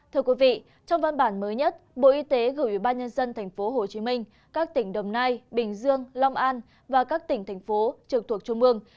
thưa quý vị trong văn bản mới nhất bộ y tế gửi ủy ban nhân dân tp hcm các tỉnh đồng nai bình dương long an và các tỉnh thành phố trực thuộc trung mương